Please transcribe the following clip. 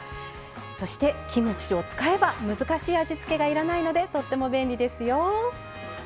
そして、キムチを使えば難しい味付けがいらないのでとっても便利ですよ。